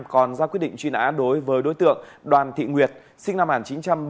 còn ra quyết định truy nã đối với đối tượng đoàn thị nguyệt sinh năm hàn chín trăm bảy mươi bảy